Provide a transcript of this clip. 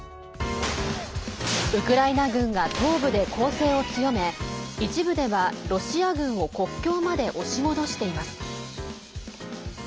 ウクライナ軍が東部で攻勢を強め一部ではロシア軍を国境まで押し戻しています。